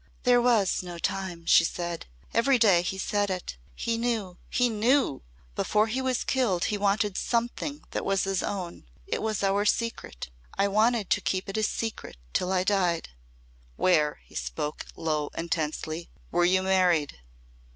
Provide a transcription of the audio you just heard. "There was no time," she said. "Every day he said it. He knew he knew. Before he was killed he wanted something that was his own. It was our secret. I wanted to keep it his secret till I died." "Where," he spoke low and tensely, "were you married?"